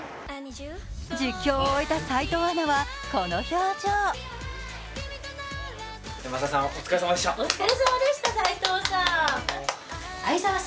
実況を終えた齋藤アナはこの表情。